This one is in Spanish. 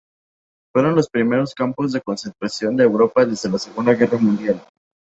Fueron los primeros campos de concentración en Europa desde la segunda guerra mundial.